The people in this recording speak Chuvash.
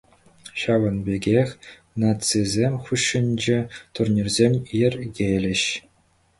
Ҫавӑн пекех нацисем хушшинче турнирсем йӗркелӗҫ.